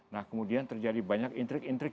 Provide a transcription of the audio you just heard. nah kemudian terjadi banyak intrik intrik